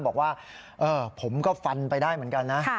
บอกว่าผมก็ฟันไปได้เหมือนกันนะ